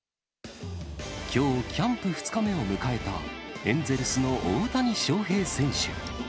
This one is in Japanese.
きょうキャンプ２日目を迎えた、エンゼルスの大谷翔平選手。